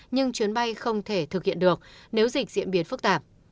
nhưng chuyến bay không thể thực hiện được nếu dịch diễn biến phức tạp